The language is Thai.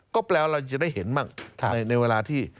ก็แปลว่าเราจะได้เห็นบ้างในเวลาที่